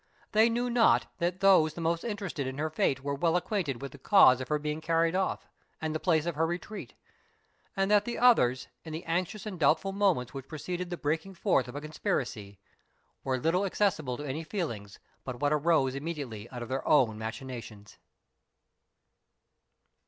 They knew not, that those the most interested in her fate were well acquainted with the cause of her being carried off, and the place of her retreat; and that the others, in the anxious and doubtful moments which preceded the breaking forth of a conspiracy, were little accessible to any feelings but what arose immediately out of their own machinations.